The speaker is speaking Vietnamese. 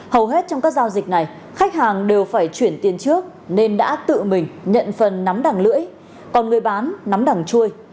hầu hết trong các giao dịch này khách hàng đều phải chuyển tiền trước nên đã tự mình nhận phần nắm đằng lưỡi còn người bán nắm đằng chui